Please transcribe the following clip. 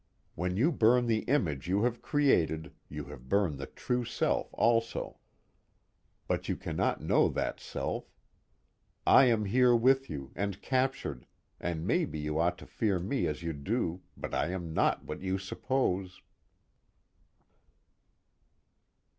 When you burn the image you have created you burn the true self also, but you cannot know that self. I am here with you, and captured, and maybe you ought to fear me as you do, but I am not what you suppose.